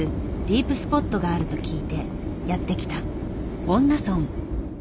ディープスポットがあると聞いてやって来た。